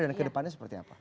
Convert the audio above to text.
dan kedepannya seperti apa